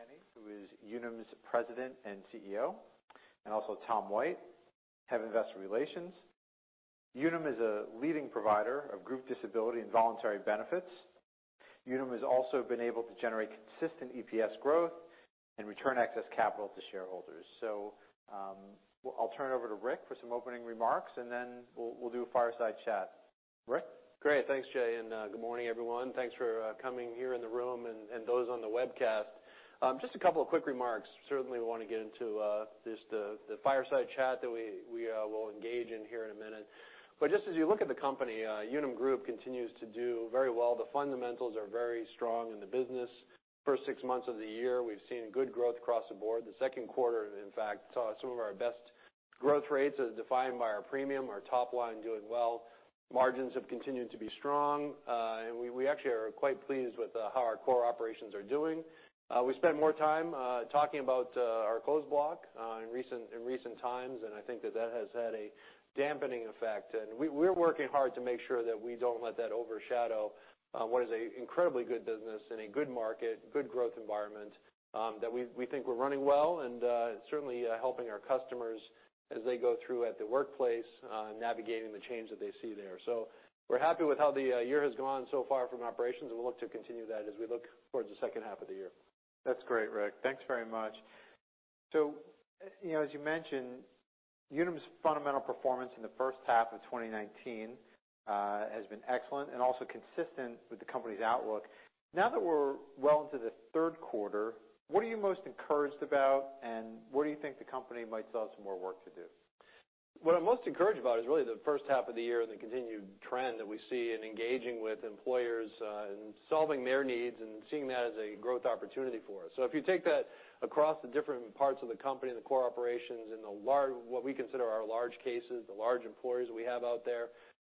Good to have with us today Rick McKenney, who is Unum's President and CEO, and also Tom White, Head of Investor Relations. Unum is a leading provider of group disability and voluntary benefits. Unum has also been able to generate consistent EPS growth and return excess capital to shareholders. I'll turn it over to Rick for some opening remarks, and then we'll do a fireside chat. Rick? Great. Thanks, Jay, and good morning, everyone. Thanks for coming here in the room and those on the webcast. Just a couple of quick remarks. Certainly want to get into just the fireside chat that we will engage in here in a minute. Just as you look at the company, Unum Group continues to do very well. The fundamentals are very strong in the business. First six months of the year, we've seen good growth across the board. The second quarter, in fact, saw some of our best growth rates as defined by our premium, our top line doing well. Margins have continued to be strong. We actually are quite pleased with how our core operations are doing. We spent more time talking about our closed block in recent times, and I think that that has had a dampening effect. We're working hard to make sure that we don't let that overshadow what is an incredibly good business in a good market, good growth environment, that we think we're running well, and certainly helping our customers as they go through at the workplace, navigating the change that they see there. We're happy with how the year has gone so far from operations, and we look to continue that as we look towards the second half of the year. That's great, Rick. Thanks very much. As you mentioned, Unum's fundamental performance in the first half of 2019 has been excellent and also consistent with the company's outlook. Now that we're well into the third quarter, what are you most encouraged about, and where do you think the company might still have some more work to do? What I'm most encouraged about is really the first half of the year and the continued trend that we see in engaging with employers and solving their needs and seeing that as a growth opportunity for us. If you take that across the different parts of the company and the core operations and what we consider our large cases, the large employers we have out there,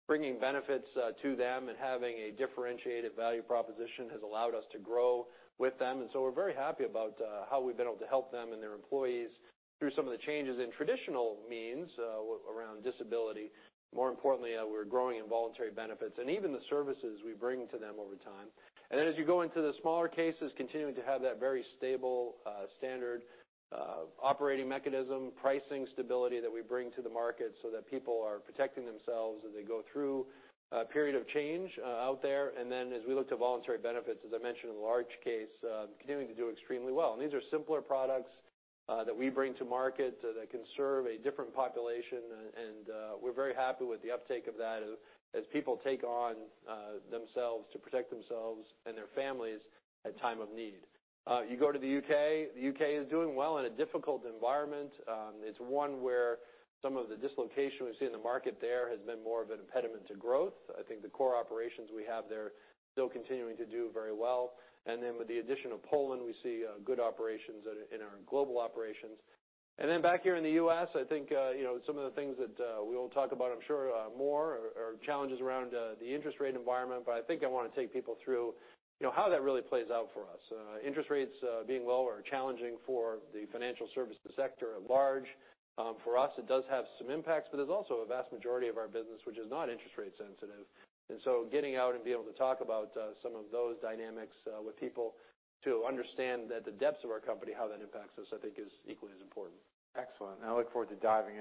bringing benefits to them and having a differentiated value proposition has allowed us to grow with them. We're very happy about how we've been able to help them and their employees through some of the changes in traditional means around disability. More importantly, we're growing in voluntary benefits and even the services we bring to them over time. As you go into the smaller cases, continuing to have that very stable standard operating mechanism, pricing stability that we bring to the market so that people are protecting themselves as they go through a period of change out there. As we look to voluntary benefits, as I mentioned in the large case, continuing to do extremely well. These are simpler products that we bring to market that can serve a different population, and we're very happy with the uptake of that as people take on themselves to protect themselves and their families at a time of need. You go to the U.K. The U.K. is doing well in a difficult environment. It's one where some of the dislocation we've seen in the market there has been more of an impediment to growth. I think the core operations we have there still continuing to do very well. With the addition of Poland, we see good operations in our global operations. Back here in the U.S., I think some of the things that we will talk about, I'm sure, more are challenges around the interest rate environment. I think I want to take people through how that really plays out for us. Interest rates being low are challenging for the financial services sector at large. For us, it does have some impacts, but there's also a vast majority of our business which is not interest rate sensitive. Getting out and being able to talk about some of those dynamics with people to understand that the depths of our company, how that impacts us, I think is equally as important. Excellent. I look forward to diving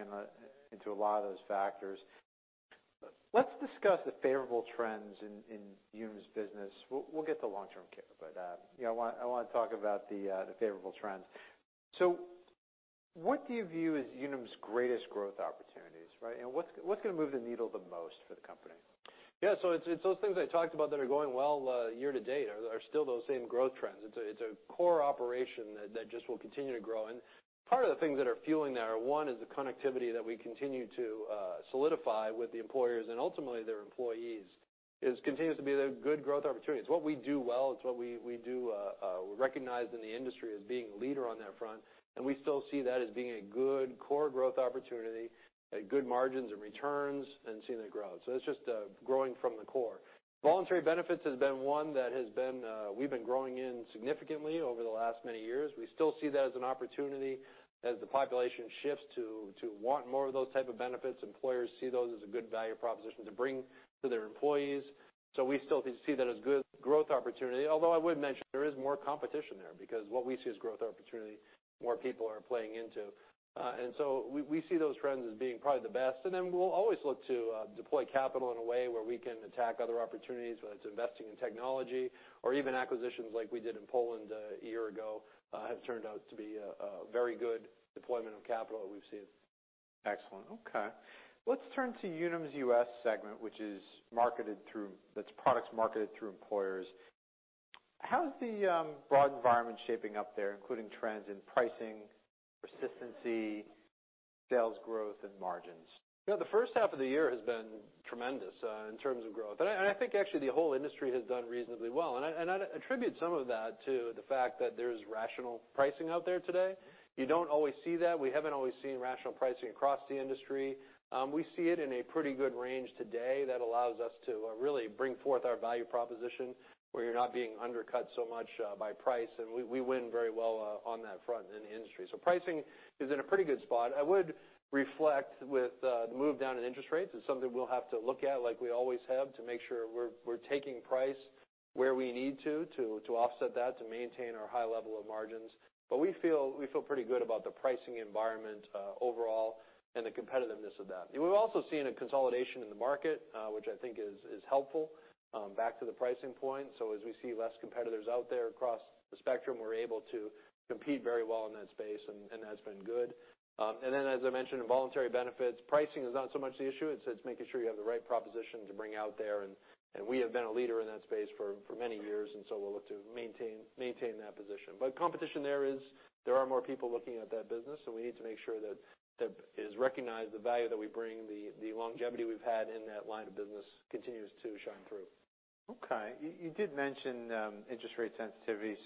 into a lot of those factors. Let's discuss the favorable trends in Unum's business. We'll get to long-term care, I want to talk about the favorable trends. What do you view as Unum's greatest growth opportunities, right? What's going to move the needle the most for the company? Yeah. It's those things I talked about that are going well year to date are still those same growth trends. It's a core operation that just will continue to grow. Part of the things that are fueling that are, one is the connectivity that we continue to solidify with the employers and ultimately their employees. It continues to be a good growth opportunity. It's what we do well. We're recognized in the industry as being a leader on that front, and we still see that as being a good core growth opportunity at good margins and returns and seeing that grow. It's just growing from the core. Voluntary Benefits has been one that we've been growing in significantly over the last many years. We still see that as an opportunity as the population shifts to want more of those type of benefits. Employers see those as a good value proposition to bring to their employees. We still see that as good growth opportunity. Although I would mention there is more competition there because what we see as growth opportunity, more people are playing into. We see those trends as being probably the best, and then we'll always look to deploy capital in a way where we can attack other opportunities, whether it's investing in technology or even acquisitions like we did in Poland a year ago, have turned out to be a very good deployment of capital that we've seen. Excellent. Okay. Let's turn to Unum's U.S. segment, that's products marketed through employers. How is the broad environment shaping up there, including trends in pricing, persistency, sales growth, and margins? The first half of the year has been tremendous in terms of growth. I think actually the whole industry has done reasonably well. I'd attribute some of that to the fact that there's rational pricing out there today. You don't always see that. We haven't always seen rational pricing across the industry. We see it in a pretty good range today that allows us to really bring forth our value proposition, where you're not being undercut so much by price, and we win very well on that front in the industry. Pricing is in a pretty good spot. I would reflect with the move down in interest rates. It's something we'll have to look at like we always have to make sure we're taking price where we need to offset that to maintain our high level of margins. We feel pretty good about the pricing environment overall and the competitiveness of that. We've also seen a consolidation in the market, which I think is helpful. Back to the pricing point. As we see less competitors out there across the spectrum, we're able to compete very well in that space, and that's been good. As I mentioned, in voluntary benefits, pricing is not so much the issue. It's making sure you have the right proposition to bring out there, and we have been a leader in that space for many years, and we'll look to maintain that position. Competition there is. There are more people looking at that business, so we need to make sure that it is recognized, the value that we bring, the longevity we've had in that line of business continues to shine through. Okay. You did mention interest rate sensitivity.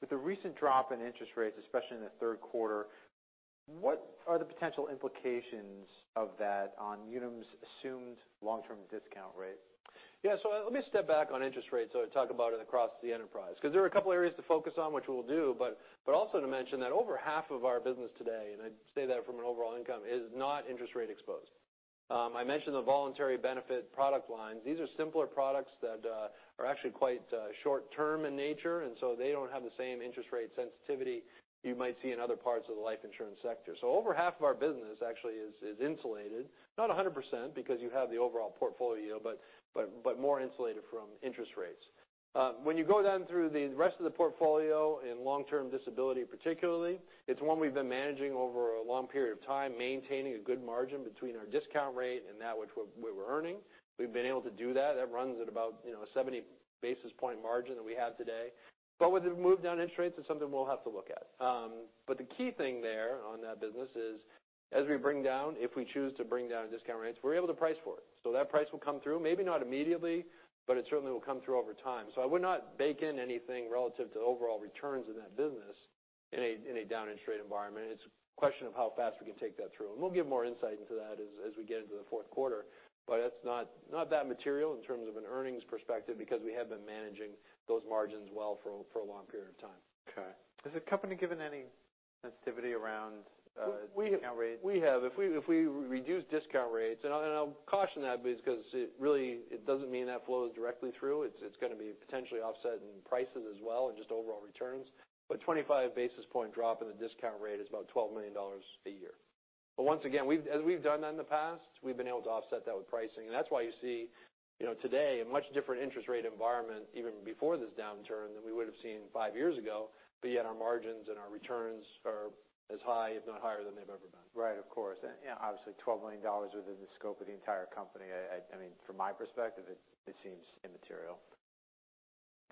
With the recent drop in interest rates, especially in the third quarter, what are the potential implications of that on Unum's assumed long-term discount rate? Let me step back on interest rates, so I talk about it across the enterprise, because there are a couple of areas to focus on, which we'll do, but also to mention that over half of our business today, and I say that from an overall income, is not interest rate exposed. I mentioned the voluntary benefit product lines. These are simpler products that are actually quite short term in nature, and so they don't have the same interest rate sensitivity you might see in other parts of the life insurance sector. Over half of our business actually is insulated. Not 100%, because you have the overall portfolio yield, but more insulated from interest rates. When you go down through the rest of the portfolio, in long-term disability particularly, it's one we've been managing over a long period of time, maintaining a good margin between our discount rate and that which we were earning. We've been able to do that. That runs at about a 70-basis-point margin that we have today. With the move down interest rates, it's something we'll have to look at. The key thing there on that business is, as we bring down, if we choose to bring down our discount rates, we're able to price for it. That price will come through, maybe not immediately, but it certainly will come through over time. I would not bake in anything relative to overall returns in that business in a down interest rate environment. It's a question of how fast we can take that through. We'll give more insight into that as we get into the fourth quarter. It's not that material in terms of an earnings perspective because we have been managing those margins well for a long period of time. Okay. Has the company given any sensitivity around discount rates? We have. If we reduce discount rates, I'll caution that because it really doesn't mean that flows directly through. It's going to be potentially offset in prices as well and just overall returns. 25-basis point drop in the discount rate is about $12 million a year. Once again, as we've done that in the past, we've been able to offset that with pricing, and that's why you see today a much different interest rate environment even before this downturn than we would have seen five years ago. Yet our margins and our returns are as high, if not higher, than they've ever been. Right. Of course. Obviously, $12 million within the scope of the entire company, from my perspective, it seems immaterial.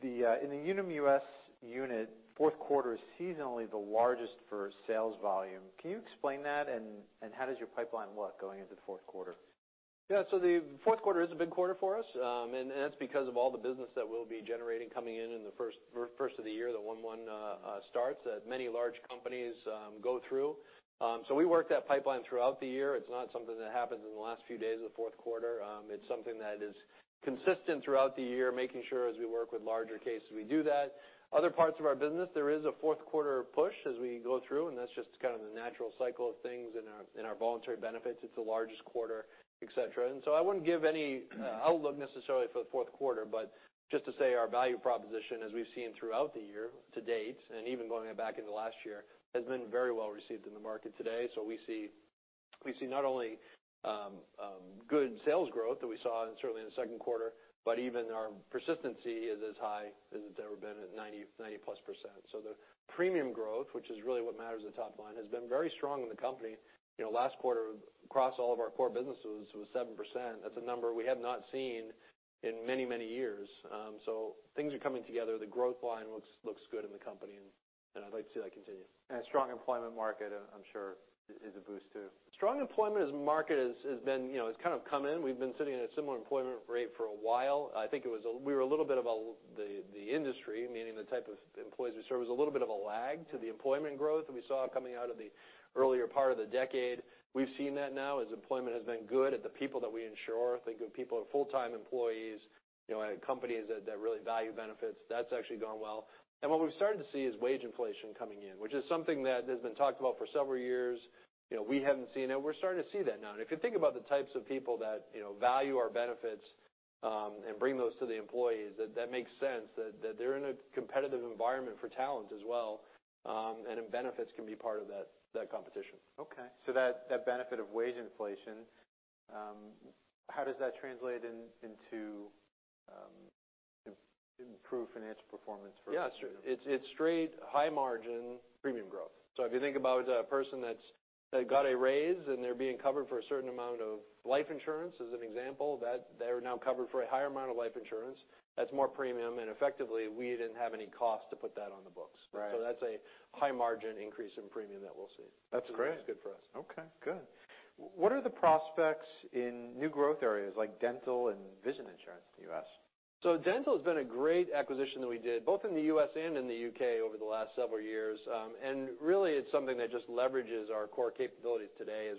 In the Unum US unit, fourth quarter is seasonally the largest for sales volume. Can you explain that? How does your pipeline look going into the fourth quarter? The fourth quarter is a big quarter for us. That's because of all the business that we'll be generating coming in in the first of the year, the one-one starts that many large companies go through. We work that pipeline throughout the year. It's not something that happens in the last few days of the fourth quarter. It's something that is consistent throughout the year, making sure as we work with larger cases, we do that. Other parts of our business, there is a fourth quarter push as we go through. That's just kind of the natural cycle of things in our voluntary benefits. It's the largest quarter, et cetera. I wouldn't give any outlook necessarily for the fourth quarter, just to say our value proposition, as we've seen throughout the year to date, even going back into last year, has been very well received in the market today. We see not only good sales growth that we saw certainly in the second quarter, but even our persistency is as high as it's ever been at 90+%. The premium growth, which is really what matters at the top line, has been very strong in the company. Last quarter, across all of our core businesses, was 7%. That's a number we have not seen in many, many years. Things are coming together. The growth line looks good in the company. I'd like to see that continue. A strong employment market, I'm sure, is a boost, too. Strong employment market has kind of come in. We've been sitting at a similar employment rate for a while. I think we were a little bit of the industry, meaning the type of employees we serve, was a little bit of a lag to the employment growth that we saw coming out of the earlier part of the decade. We've seen that now as employment has been good at the people that we insure. I think of people who are full-time employees at companies that really value benefits. That's actually gone well. What we've started to see is wage inflation coming in, which is something that has been talked about for several years. We haven't seen it. We're starting to see that now. If you think about the types of people that value our benefits and bring those to the employees, that makes sense, that they're in a competitive environment for talent as well. Benefits can be part of that competition. Okay. That benefit of wage inflation, how does that translate into improved financial performance for Unum? Yeah. It's straight high margin premium growth. If you think about a person that got a raise and they're being covered for a certain amount of life insurance, as an example, they're now covered for a higher amount of life insurance. That's more premium. Effectively, we didn't have any cost to put that on the books. Right. That's a high margin increase in premium that we'll see. That's great. It's good for us. Okay, good. What are the prospects in new growth areas like dental and vision insurance in the U.S.? Dental has been a great acquisition that we did, both in the U.S. and in the U.K. over the last several years. Really, it's something that just leverages our core capabilities today as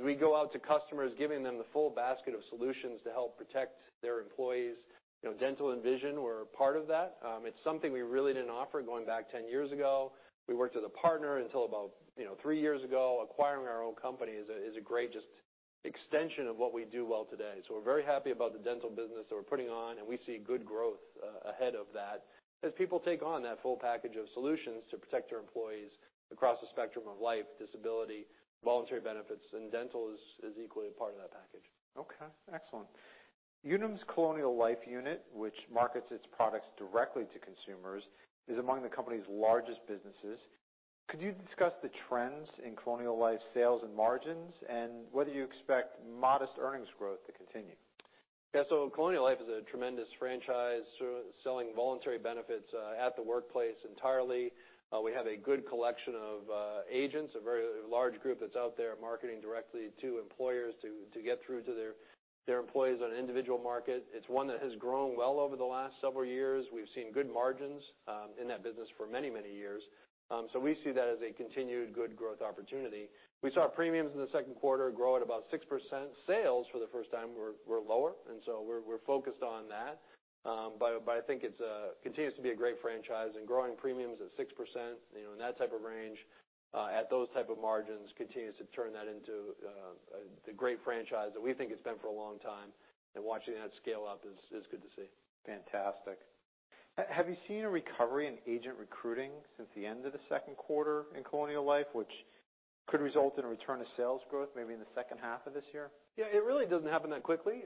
we go out to customers, giving them the full basket of solutions to help protect their employees. Dental and vision were a part of that. It's something we really didn't offer going back 10 years ago. We worked with a partner until about three years ago. Acquiring our own company is a great just extension of what we do well today. We're very happy about the dental business that we're putting on, and we see good growth ahead of that as people take on that full package of solutions to protect their employees across the spectrum of life, disability, voluntary benefits, and dental is equally a part of that package. Okay, excellent. Unum's Colonial Life unit, which markets its products directly to consumers, is among the company's largest businesses. Could you discuss the trends in Colonial Life sales and margins, and whether you expect modest earnings growth to continue? Yeah. Colonial Life is a tremendous franchise selling voluntary benefits at the workplace entirely. We have a good collection of agents, a very large group that's out there marketing directly to employers to get through to their employees on individual market. It's one that has grown well over the last several years. We've seen good margins in that business for many, many years. We see that as a continued good growth opportunity. We saw premiums in the second quarter grow at about 6%. Sales, for the first time, were lower, we're focused on that. I think it continues to be a great franchise and growing premiums at 6%, in that type of range, at those type of margins continues to turn that into the great franchise that we think it's been for a long time, and watching that scale up is good to see. Fantastic. Have you seen a recovery in agent recruiting since the end of the second quarter in Colonial Life, which could result in a return to sales growth maybe in the second half of this year? Yeah, it really doesn't happen that quickly,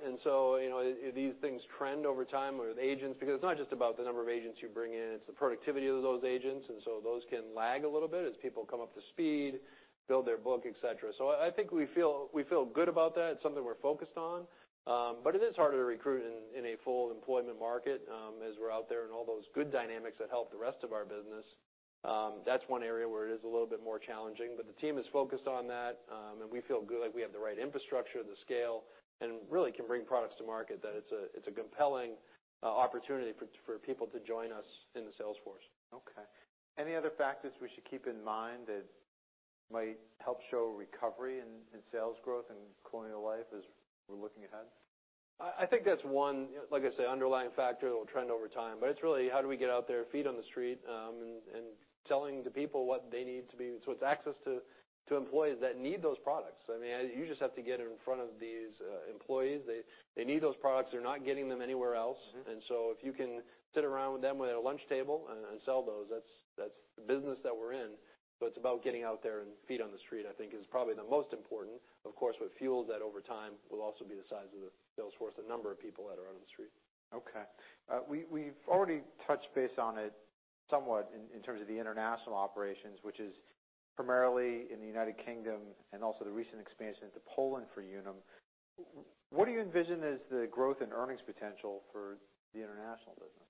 these things trend over time with agents because it's not just about the number of agents you bring in, it's the productivity of those agents. Those can lag a little bit as people come up to speed, build their book, et cetera. I think we feel good about that. It's something we're focused on. It is harder to recruit in a full employment market, as we're out there in all those good dynamics that help the rest of our business. That's one area where it is a little bit more challenging, the team is focused on that, and we feel good like we have the right infrastructure, the scale, and really can bring products to market, that it's a compelling opportunity for people to join us in the sales force. Okay. Any other factors we should keep in mind that might help show recovery in sales growth in Colonial Life as we're looking ahead? I think that's one, like I say, underlying factor that will trend over time. It's really how do we get out there, feet on the street, and telling the people what they need to be. It's access to employees that need those products. I mean, you just have to get in front of these employees. They need those products. They're not getting them anywhere else. If you can sit around with them at a lunch table and sell those, that's the business that we're in. It's about getting out there and feet on the street, I think is probably the most important. Of course, what fuels that over time will also be the size of the sales force, the number of people that are out on the street. Okay. We've already touched base on it somewhat in terms of the international operations, which is primarily in the United Kingdom and also the recent expansion into Poland for Unum. What do you envision is the growth and earnings potential for the international business?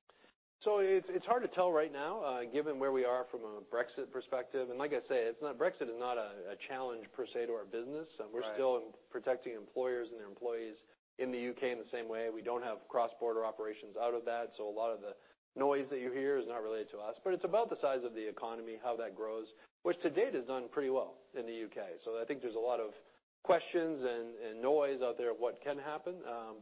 It's hard to tell right now, given where we are from a Brexit perspective. Like I say, Brexit is not a challenge, per se, to our business. Right. We're still protecting employers and their employees in the U.K. in the same way. We don't have cross-border operations out of that, so a lot of the noise that you hear is not related to us. It's about the size of the economy, how that grows, which to date has done pretty well in the U.K. I think there's a lot of questions and noise out there of what can happen.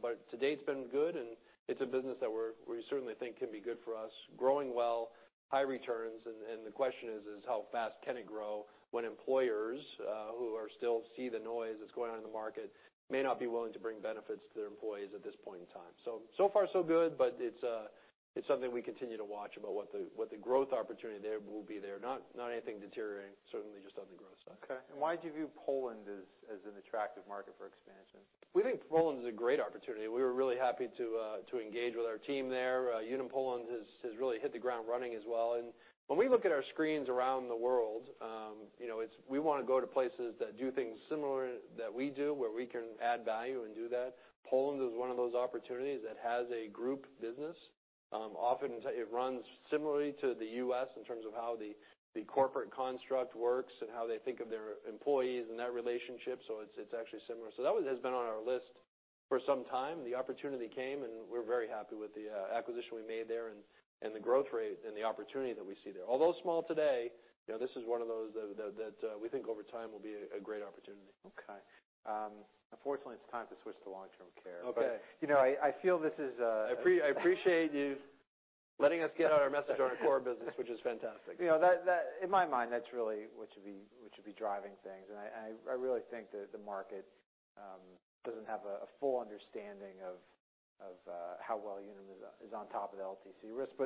To date, it's been good, and it's a business that we certainly think can be good for us, growing well, high returns. The question is how fast can it grow when employers who still see the noise that's going on in the market may not be willing to bring benefits to their employees at this point in time. So far so good, but it's something we continue to watch about what the growth opportunity there will be there. Not anything deteriorating, certainly just on the growth side. Okay. Why do you view Poland as an attractive market for expansion? We think Poland is a great opportunity. We were really happy to engage with our team there. Unum Poland has really hit the ground running as well. When we look at our screens around the world, we want to go to places that do things similar that we do, where we can add value and do that. Poland is one of those opportunities that has a group business. Often, it runs similarly to the U.S. in terms of how the corporate construct works and how they think of their employees and that relationship, so it's actually similar. That has been on our list for some time. The opportunity came, and we're very happy with the acquisition we made there and the growth rate and the opportunity that we see there. Although small today, this is one of those that we think over time will be a great opportunity. Okay. Unfortunately, it's time to switch to long-term care. Okay. I feel this is a I appreciate you letting us get out our message on our core business, which is fantastic. In my mind, that's really what should be driving things, and I really think that the market doesn't have a full understanding of how well Unum is on top of the LTC risk.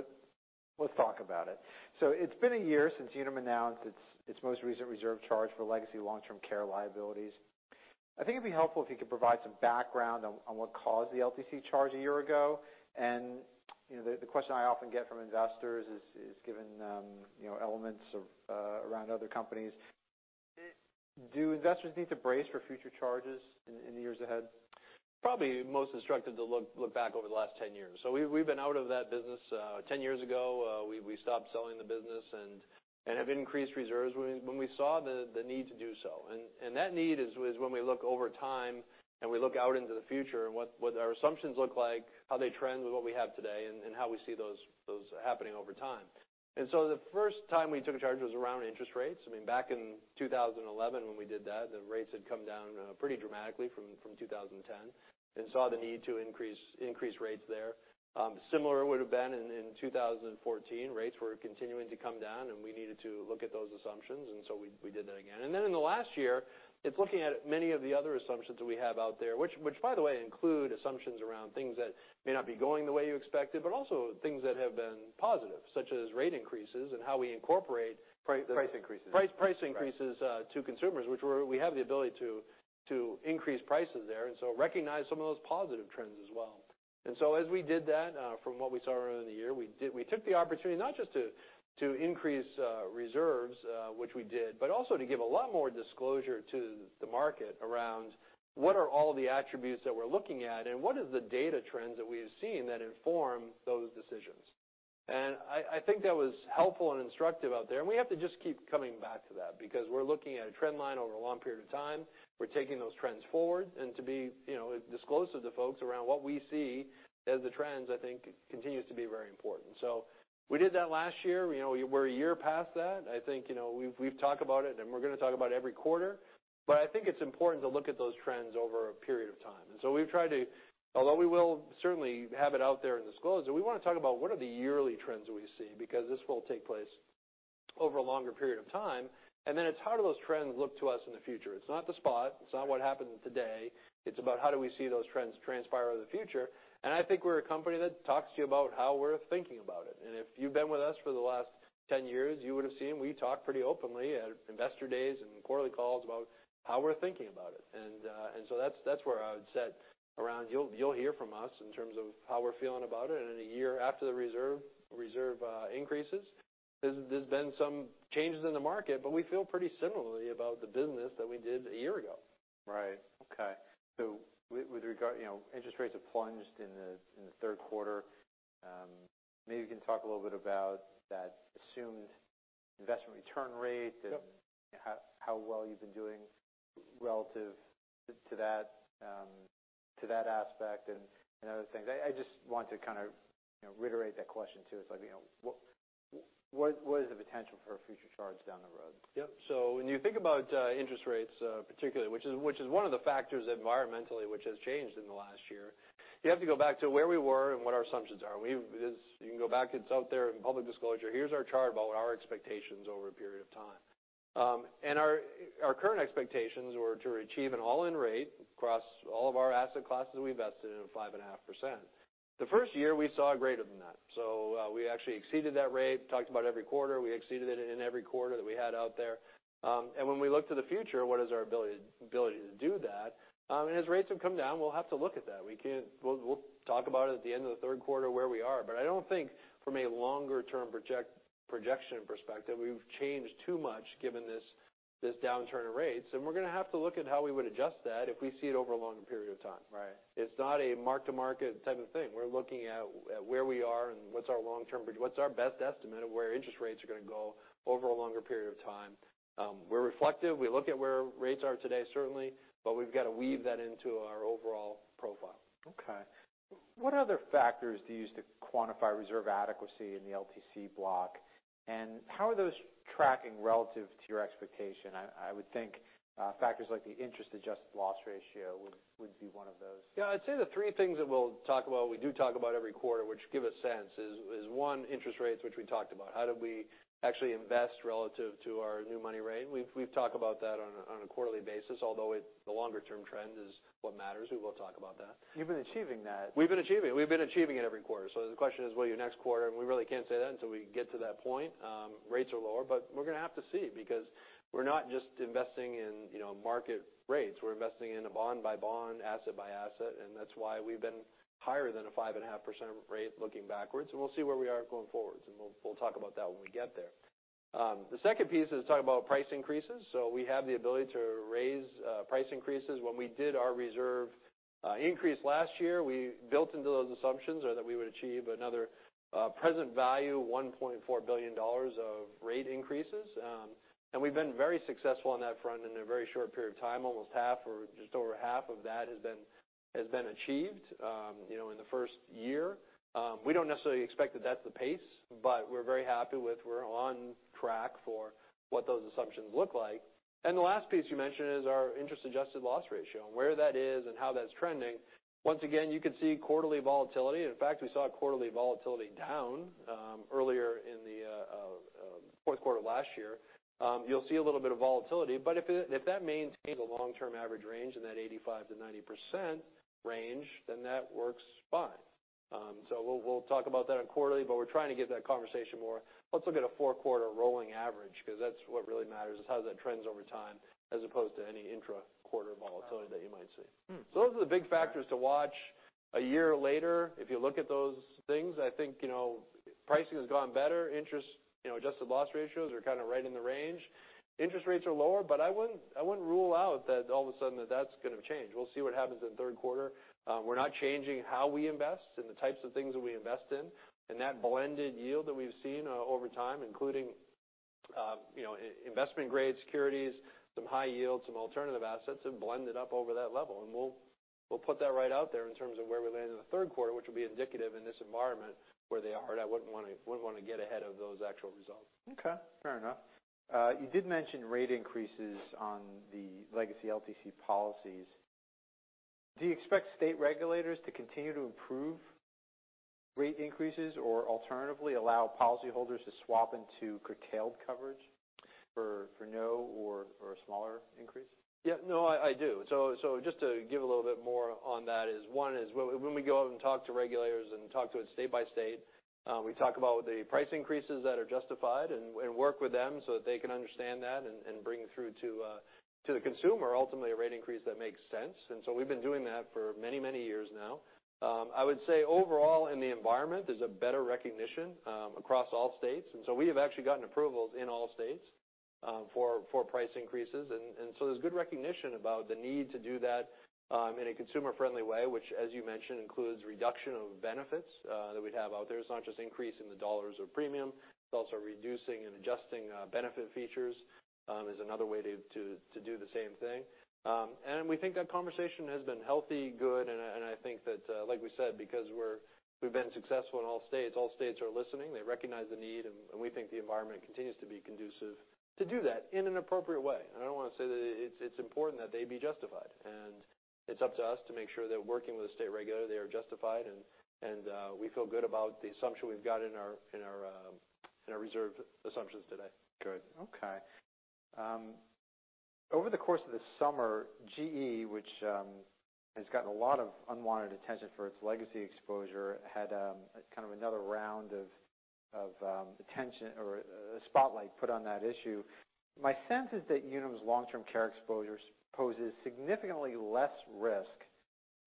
Let's talk about it. It's been a year since Unum announced its most recent reserve charge for legacy long-term care liabilities. I think it'd be helpful if you could provide some background on what caused the LTC charge a year ago. The question I often get from investors is, given elements around other companies, do investors need to brace for future charges in the years ahead? Probably most instructive to look back over the last 10 years. We've been out of that business. 10 years ago, we stopped selling the business and have increased reserves when we saw the need to do so. That need is when we look over time and we look out into the future and what our assumptions look like, how they trend with what we have today, and how we see those happening over time. The first time we took a charge was around interest rates. I mean, back in 2011 when we did that, the rates had come down pretty dramatically from 2010 and saw the need to increase rates there. Similar would've been in 2014. Rates were continuing to come down, and we needed to look at those assumptions. We did that again. In the last year, it's looking at many of the other assumptions that we have out there, which by the way include assumptions around things that may not be going the way you expected, but also things that have been positive, such as rate increases and how we incorporate- Price increases Price increases to consumers. We have the ability to increase prices there, recognize some of those positive trends as well. As we did that, from what we saw earlier in the year, we took the opportunity not just to increase reserves, which we did, but also to give a lot more disclosure to the market around what are all the attributes that we're looking at, what are the data trends that we have seen that inform those decisions. I think that was helpful and instructive out there, we have to just keep coming back to that because we're looking at a trend line over a long period of time. We're taking those trends forward and to be disclosed to the folks around what we see as the trends, I think continues to be very important. We did that last year. We're a year past that. I think we've talked about it and we're going to talk about it every quarter, but I think it's important to look at those trends over a period of time. We've tried to, although we will certainly have it out there and disclose it, we want to talk about what are the yearly trends that we see, because this will take place over a longer period of time. Then it's how do those trends look to us in the future? It's not the spot, it's not what happened today. It's about how do we see those trends transpire in the future. I think we're a company that talks to you about how we're thinking about it. If you've been with us for the last 10 years, you would've seen, we talk pretty openly at investor days and quarterly calls about how we're thinking about it. That's where I would set around, you'll hear from us in terms of how we're feeling about it in a year after the reserve increases. There's been some changes in the market, but we feel pretty similarly about the business that we did a year ago. Right. Okay. With regard, interest rates have plunged in the third quarter. Maybe you can talk a little bit about that assumed investment return rate- Yep How well you've been doing relative to that aspect and other things. I just want to kind of reiterate that question, too. It's like, what is the potential for future charges down the road? Yep. When you think about, interest rates, particularly, which is one of the factors environmentally which has changed in the last year, you have to go back to where we were and what our assumptions are. You can go back, it's out there in public disclosure. Here's our chart about our expectations over a period of time. Our current expectations were to achieve an all-in rate across all of our asset classes we invested in of 5.5%. The first year we saw greater than that. We actually exceeded that rate, talked about every quarter. We exceeded it in every quarter that we had out there. When we look to the future, what is our ability to do that? As rates have come down, we'll have to look at that. We'll talk about it at the end of the third quarter where we are. I don't think from a longer-term projection perspective, we've changed too much given this downturn in rates. We're going to have to look at how we would adjust that if we see it over a longer period of time. Right. It's not a mark-to-market type of thing. We're looking at where we are and what's our long term, what's our best estimate of where interest rates are going to go over a longer period of time. We're reflective. We look at where rates are today, certainly, but we've got to weave that into our overall profile. Okay. What other factors do you use to quantify reserve adequacy in the LTC block, and how are those tracking relative to your expectation? I would think factors like the interest-adjusted loss ratio would be one of those. Yeah. I'd say the three things that we'll talk about, we do talk about every quarter, which give a sense is, one, interest rates, which we talked about. How do we actually invest relative to our new money rate? We've talked about that on a quarterly basis, although the longer-term trend is what matters. We will talk about that. You've been achieving that. We've been achieving it. We've been achieving it every quarter. The question is, will you next quarter? We really can't say that until we get to that point. Rates are lower, but we're going to have to see because we're not just investing in market rates. We're investing in a bond by bond, asset by asset, and that's why we've been higher than a 5.5% rate looking backwards. We'll see where we are going forwards, and we'll talk about that when we get there. The second piece is talking about price increases. We have the ability to raise price increases. When we did our reserve increase last year, we built into those assumptions that we would achieve another present value, $1.4 billion of rate increases. We've been very successful on that front in a very short period of time. Almost half or just over half of that has been achieved in the first year. We don't necessarily expect that that's the pace, but we're very happy with we're on track for what those assumptions look like. The last piece you mentioned is our interest-adjusted loss ratio and where that is and how that's trending. Once again, you could see quarterly volatility. In fact, we saw quarterly volatility down earlier in the fourth quarter last year. You'll see a little bit of volatility, but if that maintains a long-term average range in that 85%-90% range, then that works fine. We'll talk about that on quarterly, but we're trying to get that conversation more, let's look at a four-quarter rolling average because that's what really matters is how that trends over time as opposed to any intra-quarter volatility that you might see. Those are the big factors to watch a year later. If you look at those things, I think pricing has gone better. Interest-adjusted loss ratios are kind of right in the range. Interest rates are lower, but I wouldn't rule out that all of a sudden that that's going to change. We'll see what happens in the third quarter. We're not changing how we invest and the types of things that we invest in, and that blended yield that we've seen over time, including investment-grade securities, some high yield, some alternative assets have blended up over that level. We'll put that right out there in terms of where we land in the third quarter, which will be indicative in this environment where they are. I wouldn't want to get ahead of those actual results. Okay, fair enough. You did mention rate increases on the legacy LTC policies. Do you expect state regulators to continue to approve rate increases, or alternatively allow policyholders to swap into curtailed coverage for no or a smaller increase? Yeah. No, I do. Just to give a little bit more on that is, one is when we go out and talk to regulators and talk to it state by state, we talk about the price increases that are justified and work with them so that they can understand that and bring through to the consumer, ultimately, a rate increase that makes sense. We've been doing that for many, many years now. I would say overall in the environment, there's a better recognition across all states. We have actually gotten approvals in all states for price increases. There's good recognition about the need to do that in a consumer-friendly way, which, as you mentioned, includes reduction of benefits that we'd have out there. It's not just increasing the dollars or premium. It's also reducing and adjusting benefit features as another way to do the same thing. We think that conversation has been healthy, good, and I think that, like we said, because we've been successful in all states, all states are listening. They recognize the need, and we think the environment continues to be conducive to do that in an appropriate way. I want to say that it's important that they be justified, and it's up to us to make sure that working with the state regulator, they are justified, and we feel good about the assumption we've got in our reserve assumptions today. Good. Okay. Over the course of the summer, GE, which has gotten a lot of unwanted attention for its legacy exposure, had kind of another round of attention or a spotlight put on that issue. My sense is that Unum's long-term care exposure poses significantly less risk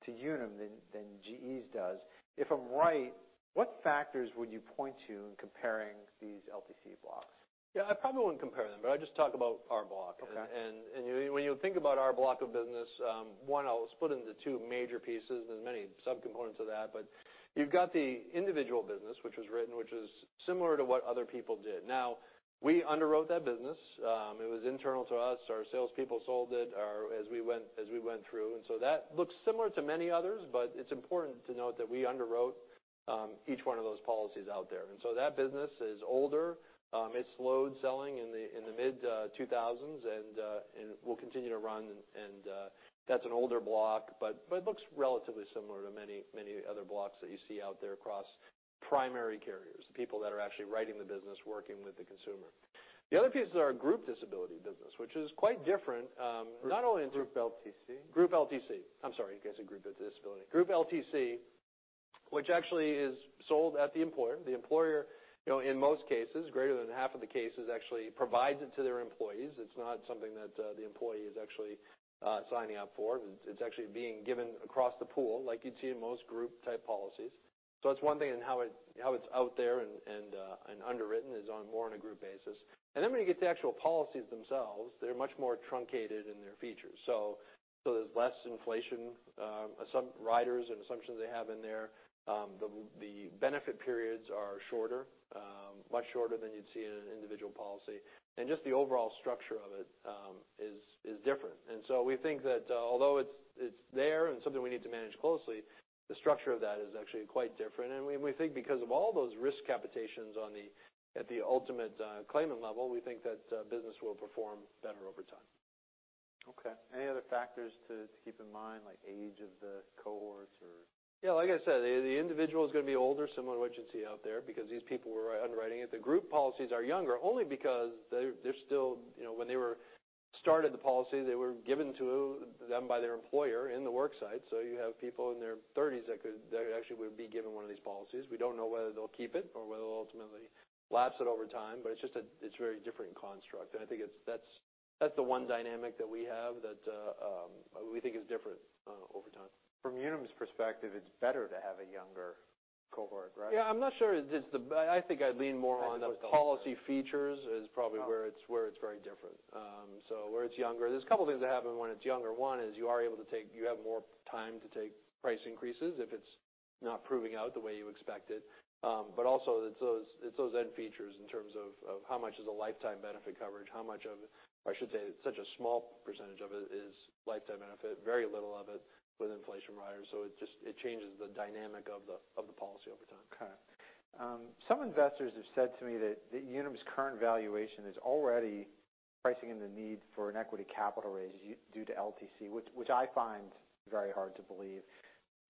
to Unum than GE's does. If I'm right, what factors would you point to in comparing these LTC blocks? Yeah, I probably wouldn't compare them, I'd just talk about our block. Okay. When you think about our block of business, one, I'll split it into two major pieces and many subcomponents of that. You've got the individual business, which was written, which is similar to what other people did. Now, we underwrote that business. It was internal to us. Our salespeople sold it as we went through. So that looks similar to many others, it's important to note that we underwrote each one of those policies out there. So that business is older. It slowed selling in the mid-2000s, will continue to run, that's an older block, it looks relatively similar to many other blocks that you see out there across primary carriers, the people that are actually writing the business, working with the consumer. The other piece is our group Disability business, which is quite different, not only in- Group LTC? Group LTC. I'm sorry, guys. I said group disability. Group LTC, which actually is sold at the employer. The employer, in most cases, greater than half of the cases actually, provides it to their employees. It's not something that the employee is actually signing up for. It's actually being given across the pool like you'd see in most group-type policies. That's one thing in how it's out there and underwritten is on more on a group basis. Then when you get to the actual policies themselves, they're much more truncated in their features. There's less inflation, some riders and assumptions they have in there. The benefit periods are shorter, much shorter than you'd see in an individual policy. Just the overall structure of it is different. We think that although it's there and something we need to manage closely, the structure of that is actually quite different. We think because of all those risk capitations at the ultimate claimant level, we think that business will perform better over time. Okay. Any other factors to keep in mind, like age of the cohorts or? Like I said, the individual's going to be older, similar to what you'd see out there because these people were underwriting it. The group policies are younger only because when they started the policy, they were given to them by their employer in the worksite. You have people in their 30s that actually would be given one of these policies. We don't know whether they'll keep it or whether they'll ultimately lapse it over time, but it's just a very different construct. I think that's the one dynamic that we have that we think is different over time. From Unum's perspective, it's better to have a younger cohort, right? I'm not sure. I think I'd lean more on the policy features is probably where it's very different. Where it's younger. There's a couple of things that happen when it's younger. One is you have more time to take price increases if it's not proving out the way you expected. Also it's those end features in terms of how much is a lifetime benefit coverage. How much of it, or I should say such a small percentage of it is lifetime benefit, very little of it with inflation riders. It changes the dynamic of the policy over time. Okay. Some investors have said to me that Unum's current valuation is already pricing in the need for an equity capital raise due to LTC, which I find very hard to believe.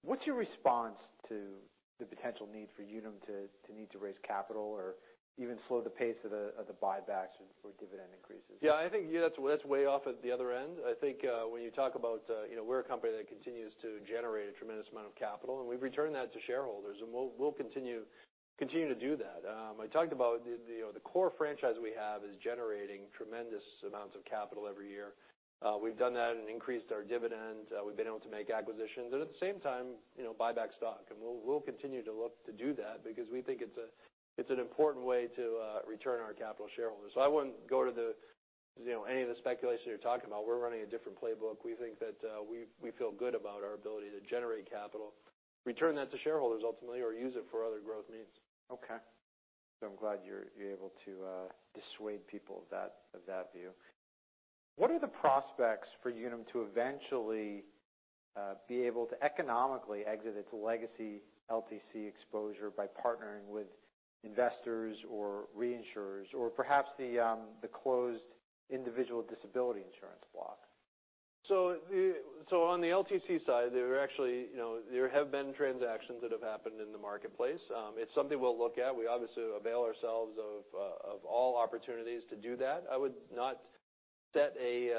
What's your response to the potential need for Unum to need to raise capital or even slow the pace of the buybacks or dividend increases? I think that's way off at the other end. I think when you talk about we're a company that continues to generate a tremendous amount of capital, and we've returned that to shareholders, and we'll continue to do that. I talked about the core franchise we have is generating tremendous amounts of capital every year. We've done that and increased our dividend. We've been able to make acquisitions, and at the same time buy back stock. We'll continue to look to do that because we think it's an important way to return our capital to shareholders. I wouldn't go to any of the speculation you're talking about. We're running a different playbook. We think that we feel good about our ability to generate capital, return that to shareholders ultimately, or use it for other growth needs. Okay. I'm glad you're able to dissuade people of that view. What are the prospects for Unum to eventually be able to economically exit its legacy LTC exposure by partnering with investors or reinsurers, or perhaps the closed individual disability insurance block? On the LTC side, there have been transactions that have happened in the marketplace. It's something we'll look at. We obviously avail ourselves of all opportunities to do that. I would not set a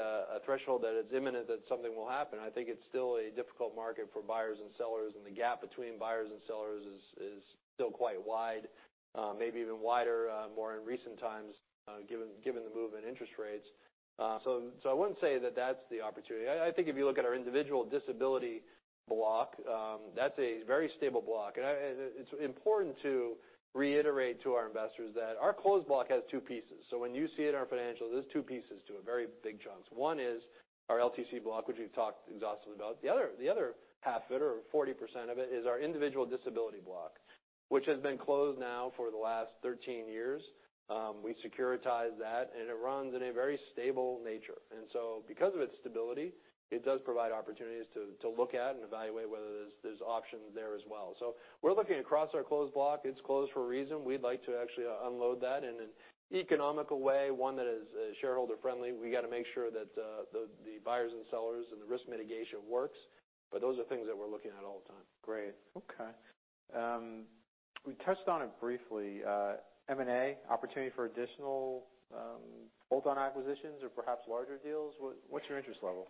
threshold that is imminent that something will happen. I think it's still a difficult market for buyers and sellers, and the gap between buyers and sellers is still quite wide. Maybe even wider more in recent times given the move in interest rates. I wouldn't say that that's the opportunity. I think if you look at our individual disability block, that's a very stable block. It's important to reiterate to our investors that our closed block has two pieces. When you see it in our financials, there's two pieces to it, very big chunks. One is our LTC block, which we've talked exhaustively about. The other half of it, or 40% of it, is our individual disability block, which has been closed now for the last 13 years. We securitized that, and it runs in a very stable nature. Because of its stability, it does provide opportunities to look at and evaluate whether there's options there as well. We're looking across our closed block. It's closed for a reason. We'd like to actually unload that in an economical way, one that is shareholder friendly. We got to make sure that the buyers and sellers and the risk mitigation works, but those are things that we're looking at all the time. Great. Okay. We touched on it briefly. M&A opportunity for additional bolt-on acquisitions or perhaps larger deals. What's your interest level?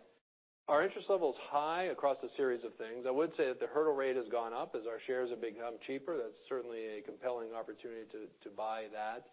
Our interest level is high across a series of things. I would say that the hurdle rate has gone up as our shares have become cheaper. That's certainly a compelling opportunity to buy that.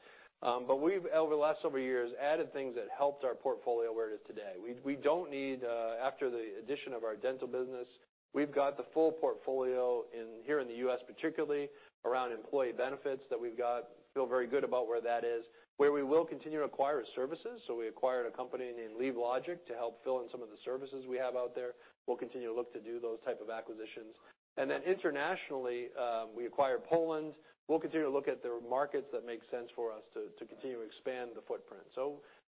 We've, over the last several years, added things that helped our portfolio where it is today. We don't need, after the addition of our dental business, we've got the full portfolio here in the U.S. particularly around employee benefits that we've got. Feel very good about where that is, where we will continue to acquire services. We acquired a company named LeaveLogic to help fill in some of the services we have out there. We'll continue to look to do those type of acquisitions. Then internationally, we acquired Poland. We'll continue to look at the markets that make sense for us to continue to expand the footprint.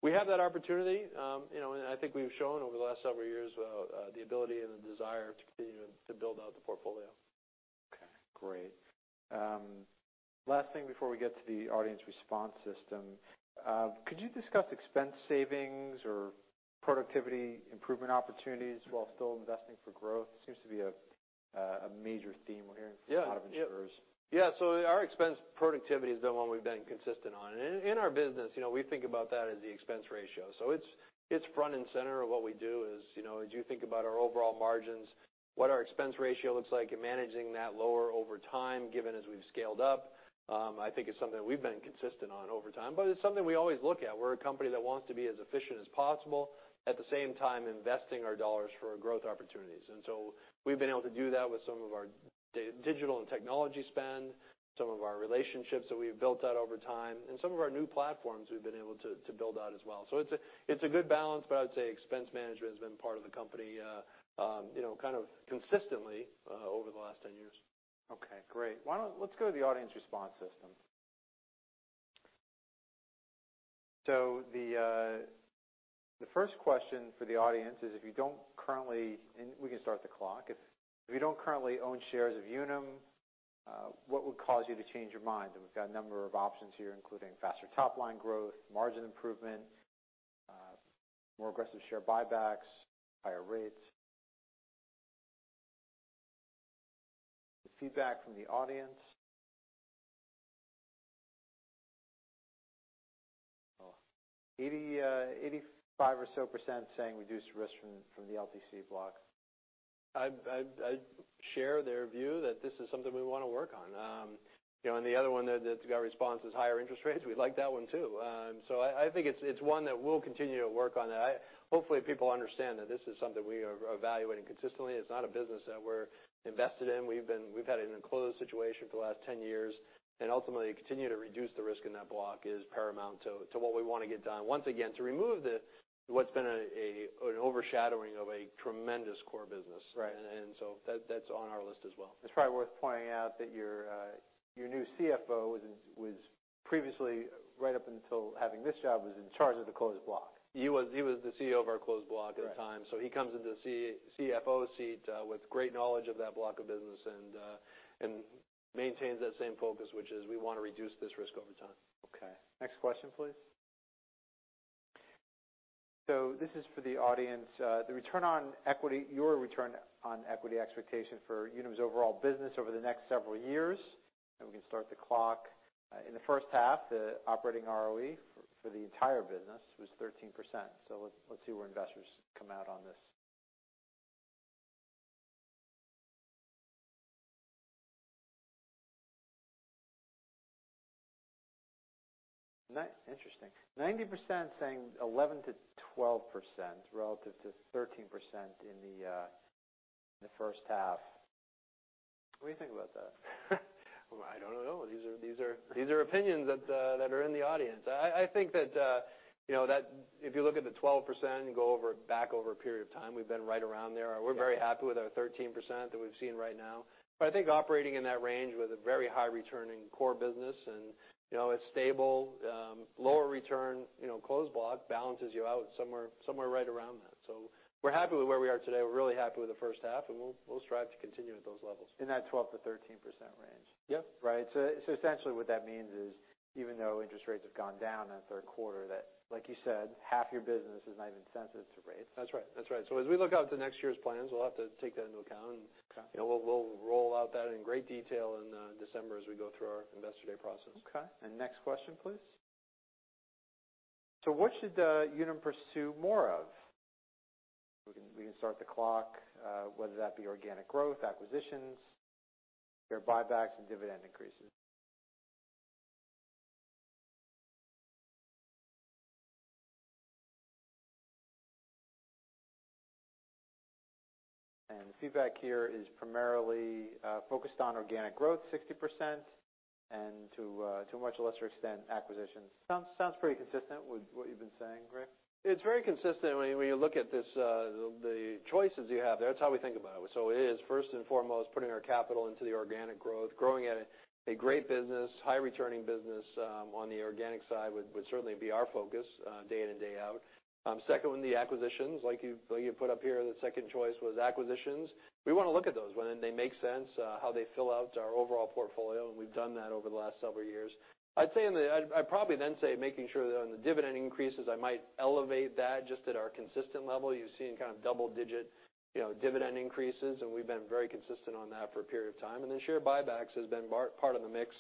We have that opportunity. I think we've shown over the last several years the ability and the desire to continue to build out the portfolio. Okay, great. Last thing before we get to the audience response system. Could you discuss expense savings or productivity improvement opportunities while still investing for growth? Seems to be a major theme we're hearing from. Yeah a lot of insurers. Yeah. Our expense productivity is the one we've been consistent on. In our business, we think about that as the expense ratio. It's front and center of what we do is as you think about our overall margins, what our expense ratio looks like in managing that lower over time, given as we've scaled up. I think it's something we've been consistent on over time, but it's something we always look at. We're a company that wants to be as efficient as possible, at the same time investing our dollars for our growth opportunities. We've been able to do that with some of our digital and technology spend, some of our relationships that we've built out over time, and some of our new platforms we've been able to build out as well. It's a good balance, but I would say expense management has been part of the company kind of consistently over the last 10 years. Okay, great. Let's go to the audience response system. The first question for the audience is, we can start the clock, if you don't currently own shares of Unum, what would cause you to change your mind? We've got a number of options here, including faster top-line growth, margin improvement, more aggressive share buybacks, higher rates. The feedback from the audience. Oh, 85% or so saying reduced risk from the LTC block. I share their view that this is something we want to work on. The other one that got a response is higher interest rates. We like that one, too. I think it's one that we'll continue to work on that. Hopefully, people understand that this is something we are evaluating consistently. It's not a business that we're invested in. We've had it in a closed situation for the last 10 years. Ultimately continue to reduce the risk in that block is paramount to what we want to get done. Once again, to remove what's been an overshadowing of a tremendous core business. Right. That's on our list as well. It's probably worth pointing out that your new CFO was previously, right up until having this job, was in charge of the closed block. He was the CEO of our closed block at the time. Right. He comes into the CFO seat with great knowledge of that block of business and maintains that same focus, which is we want to reduce this risk over time. Next question, please. This is for the audience. The return on equity, your return on equity expectation for Unum's overall business over the next several years. We can start the clock. In the first half, the operating ROE for the entire business was 13%, let's see where investors come out on this. Interesting. 90% saying 11%-12%, relative to 13% in the first half. What do you think about that? I don't know. These are opinions that are in the audience. I think that if you look at the 12%, go back over a period of time, we've been right around there. We're very happy with our 13% that we've seen right now. I think operating in that range with a very high returning core business, and it's stable. Lower return closed block balances you out somewhere right around that. We're happy with where we are today. We're really happy with the first half, and we'll strive to continue at those levels. In that 12%-13% range. Yep. Essentially what that means is even though interest rates have gone down in the third quarter, that, like you said, half your business is not even sensitive to rates. That's right. As we look out to next year's plans, we'll have to take that into account. Okay. We'll roll out that in great detail in December as we go through our investor day process. Okay. Next question please. What should Unum pursue more of? We can start the clock, whether that be organic growth, acquisitions, share buybacks, and dividend increases. The feedback here is primarily focused on organic growth, 60%, and to a much lesser extent, acquisitions. Sounds pretty consistent with what you've been saying, Greg. It's very consistent when you look at the choices you have there. That's how we think about it. It is first and foremost putting our capital into the organic growth. Growing a great business, high returning business on the organic side would certainly be our focus day in and day out. Second would be acquisitions, like you put up here, the second choice was acquisitions. We want to look at those when they make sense, how they fill out our overall portfolio, and we've done that over the last several years. I'd probably then say making sure that on the dividend increases, I might elevate that just at our consistent level. You've seen kind of double-digit dividend increases, and we've been very consistent on that for a period of time. Share buybacks has been part of the mix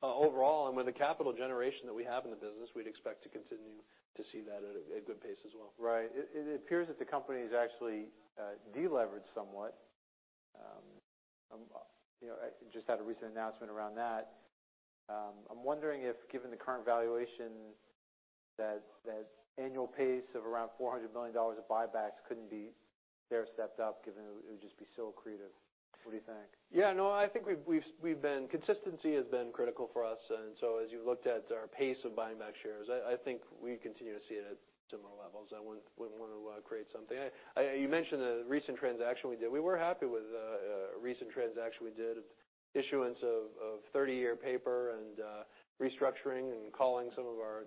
overall. With the capital generation that we have in the business, we'd expect to continue to see that at a good pace as well. Right. It appears that the company has actually de-leveraged somewhat. Just had a recent announcement around that. I'm wondering if, given the current valuation, that annual pace of around $400 million of buybacks couldn't be stair-stepped up given it would just be so accretive. What do you think? Yeah, no. I think consistency has been critical for us. As you looked at our pace of buying back shares, I think we continue to see it at similar levels. I wouldn't want to create something. You mentioned the recent transaction we did. We were happy with a recent transaction we did. Issuance of 30-year paper and restructuring and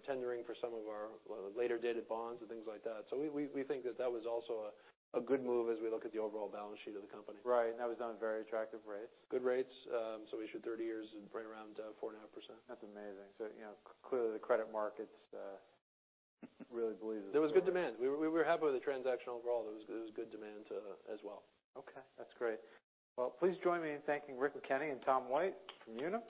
tendering for some of our later dated bonds and things like that. We think that that was also a good move as we look at the overall balance sheet of the company. Right. That was done at very attractive rates. Good rates. We issued 30 years at right around 4.5%. That's amazing. Clearly the credit markets really believe- There was good demand. We were happy with the transaction overall. There was good demand as well. Okay. That's great. Well, please join me in thanking Rick McKenney and Tom White from Unum.